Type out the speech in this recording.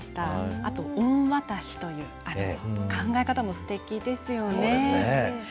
あと、恩渡しという考え方もすてきですよね。